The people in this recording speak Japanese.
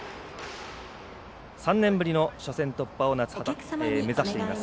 ３年ぶりの夏突破を目指しています。